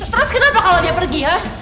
terus kenapa kalau dia pergi ya